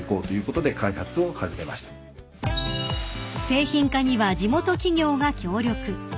［製品化には地元企業が協力］